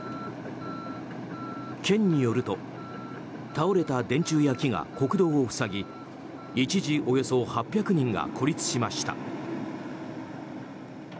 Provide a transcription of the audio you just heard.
県によると倒れた電柱や木が国道を塞ぎ一時およそ８００人が孤立しました。